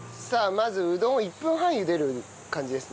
まずうどんを１分半茹でる感じですね。